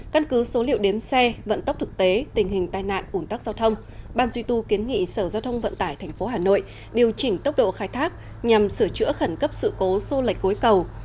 căn cứ số liệu đếm xe vận tốc thực tế tình hình tai nạn ủn tắc giao thông ban duy tu kiến nghị sở giao thông vận tải tp hà nội điều chỉnh tốc độ khai thác nhằm sửa chữa khẩn cấp sự cố xô lệch cối cầu